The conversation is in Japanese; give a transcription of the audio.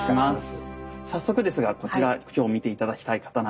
早速ですがこちら今日見て頂きたい刀です。